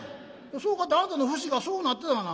「そうかてあんたの節がそうなってたがな」。